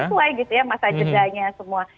sesuai gitu ya masa jedanya semua